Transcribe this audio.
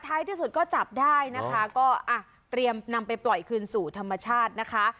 ที่สุดก็จับได้นะคะก็อ่ะเตรียมนำไปปล่อยคืนสู่ธรรมชาตินะคะ